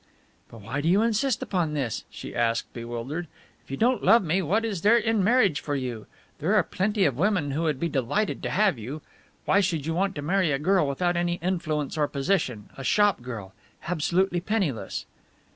"But why do you insist upon this?" she asked, bewildered, "If you don't love me, what is there in marriage for you? There are plenty of women who would be delighted to have you. Why should you want to marry a girl without any influence or position a shop girl, absolutely penniless?"